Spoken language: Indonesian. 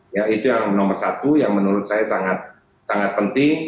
ya itu yang nomor satu yang menurut saya sangat penting